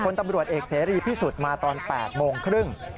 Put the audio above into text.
ตำรวจเอกเสรีพิสุทธิ์มาตอน๘โมงครึ่ง